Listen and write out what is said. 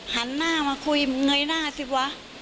หันหน้ามาคุยเงยหน้าสิวะ